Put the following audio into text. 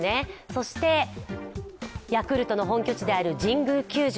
そして、ヤクルトの本拠地である神宮球場。